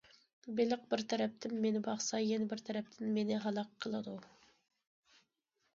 بېلىق بىر تەرەپتىن، مېنى باقسا، يەنە بىر تەرەپتىن مېنى ھالاك قىلىدۇ.